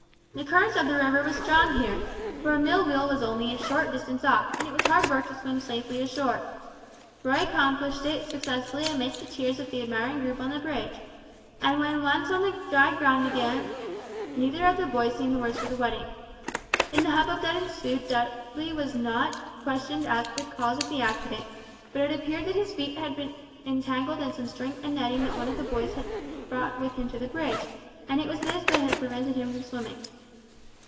The current of the river was strong here, for a mill wheel was only a short distance off; and it was hard work to swim safely ashore. Roy accomplished it successfully amidst the cheers of the admiring group on the bridge; and when once on dry ground again, neither of the boys seemed the worse for the wetting. In the hubbub that ensued Dubley was not questioned as to the cause of the accident; but it appeared that his feet had got entangled in some string and netting that one of the boys had brought with him to the bridge, and it was this that had prevented him from swimming.